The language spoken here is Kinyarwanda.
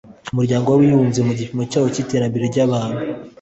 Umuryango w Abibumbye mu gipimo cyawo k iterambere ry abantu